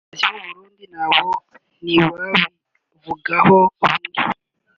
gusa Abayobozi b’u Burundi nabo ntibabivugaho rumwe